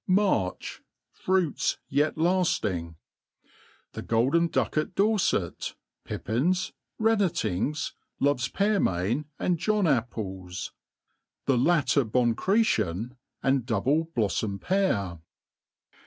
^ March. ^Fruits yet lafiing, THE golden ducket daufet, pippins, rennctings, loveV pearmain and John apples. The latter bonchretien, and double* bloiTom pear.